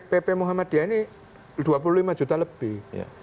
pp muhammadiyah ini dua puluh lima juta lebih